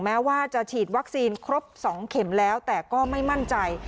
แม้ว่าจะฉีดวัคซีนครบ๒เข็มแล้วแต่ก็ไม่มั่นใจ